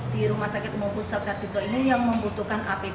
di rumah sakit umum pusat sarjito ini yang membutuhkan apd